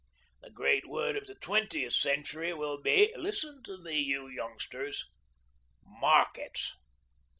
The great word of the twentieth century will be listen to me, you youngsters Markets.